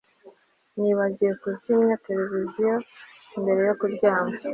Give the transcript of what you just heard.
nibagiwe kuzimya televiziyo mbere yo kuryama